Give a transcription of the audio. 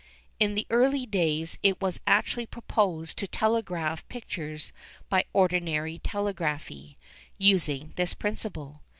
In the early days it was actually proposed to telegraph pictures by ordinary telegraphy, using this principle.